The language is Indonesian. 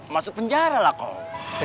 masuk penjara lah kau